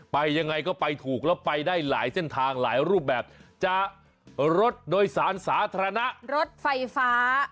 ไปยังไงก็ไปถูกแล้วไปได้หลายเส้นทางหลายรูปแบบจะรถโดยสารสาธารณะรถไฟฟ้า